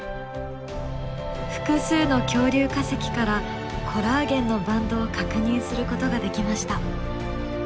複数の恐竜化石からコラーゲンのバンドを確認することができました。